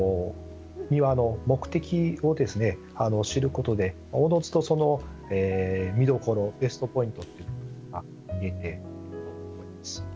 庭の目的を知ることでおのずと見どころベストポイントというのが見えてくることになります。